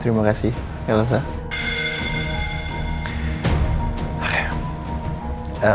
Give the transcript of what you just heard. terima kasih ya lo seharusnya